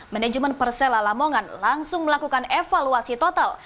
manajemen persela lamongan langsung melakukan evaluasi total